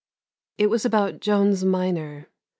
It was about Jones minor.